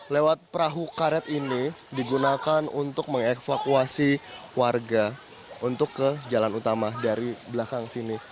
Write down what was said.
lewat perahu karet ini digunakan untuk mengevakuasi warga untuk ke jalan utama dari belakang sini